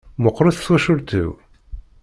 Meqqret twacult-iw.